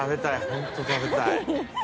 ホント食べたい。